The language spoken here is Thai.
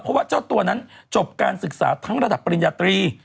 เพราะว่าเจ้าตัวนั้นจบการศึกษาทั้งระดับปริญญาตรี